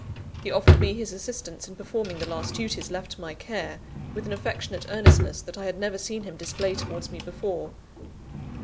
He offered me his assistance in performing the last duties left to my care, with an affectionate earnestness that I had never seen him display towards me before.